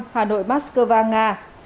năm hà nội moscow nga